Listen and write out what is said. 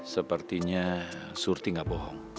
sepertinya surti nggak bohong